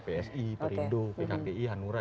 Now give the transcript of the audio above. psi perindo pknpi hanura